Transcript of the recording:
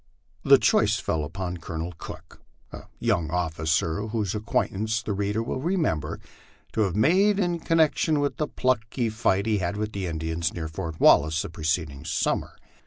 The choice fell upon Colonel Cook, a young officer whose ac quaintance the reader will remember to have made in connection with the plucky fight he had with the Indians near Fort Wallace the preceding summer.